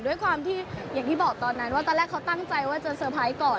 ด้วยความที่อย่างที่บอกตอนนั้นว่าตอนแรกเขาตั้งใจว่าจะเตอร์ไพรส์ก่อน